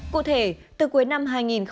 cụ thể từ cuối năm hai nghìn một mươi chín